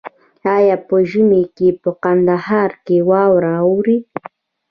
آیا په ژمي کې په کندهار کې واوره اوري؟